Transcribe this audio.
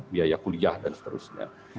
biaya kuliah dan seterusnya